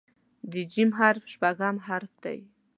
د "ج" حرف شپږم حرف دی.